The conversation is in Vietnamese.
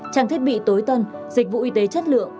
trang thiết bị tối tân dịch vụ y tế chất lượng